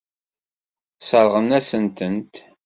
Sseṛɣent-asent-tent.